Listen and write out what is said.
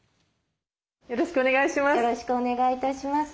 よろしくお願いします。